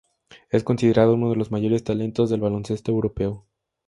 Es considerado uno de los mayores talentos del baloncesto europeo.